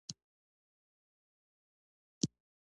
فاریاب د افغانستان د اقتصادي منابعو ارزښت زیاتوي.